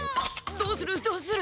どうするどうする？